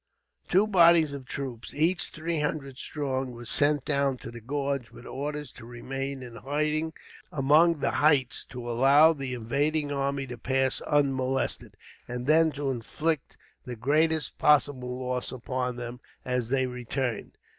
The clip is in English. Two bodies of troops, each three hundred strong, were sent down to the gorge, with orders to remain in hiding among the heights, to allow the invading army to pass unmolested, and then to inflict the greatest possible loss upon them, as they returned.